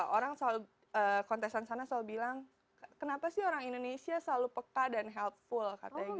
orang selalu kontesan sana selalu bilang kenapa sih orang indonesia selalu peka dan healthful katanya gitu